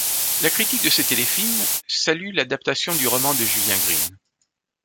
La critique de ce téléfilm salue l'adaptation du roman de Julien Green.